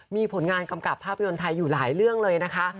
มีผลงานกำกับภาพยนตร์ไทยอยู่หลายเรื่องเลยนะคะ